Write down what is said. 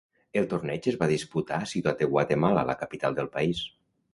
El torneig es va disputar a Ciutat de Guatemala, la capital del país.